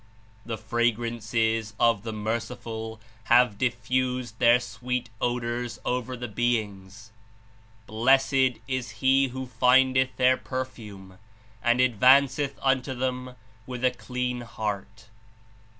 "The Fra grances of the Merciful have diffused their sweet odors over the beings; blessed is he who findeth their per fume and advanceth unto them with a clean heart.